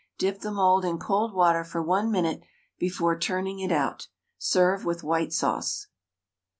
Dip the mould in cold water for 1 minute before turning it out; serve with white sauce.